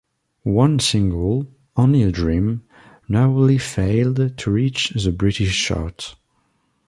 One single, "Only a Dream", narrowly failed to reach the British chart.